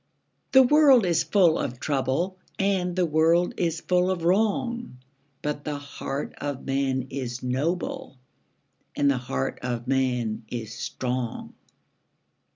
The world is full of trouble, And the world is full of wrong, But the heart of man is noble, And the heart of man is strong!